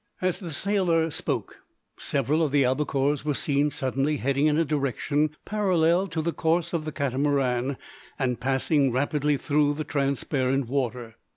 As the sailor spoke, several of the albacores were seen suddenly heading in a direction parallel to the course of the Catamaran and passing rapidly through the transparent water.